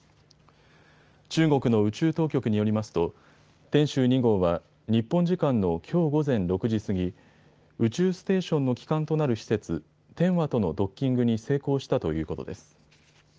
中国の宇宙当局によりますと天舟２号は日本時間のきょう午前６時過ぎ、宇宙ステーションの基幹となる施設、天和とのドッキングに成功したということです。